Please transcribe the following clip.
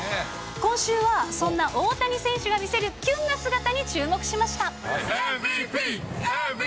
今週はそんな大谷選手が見せるきゅんな姿に注目しました。